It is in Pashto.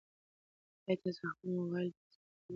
ایا تاسي د خپل موبایل بیټرۍ ته پام کوئ؟